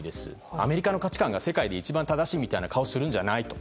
アメリカの価値観が世界で一番正しいみたいな顔をするんじゃないと。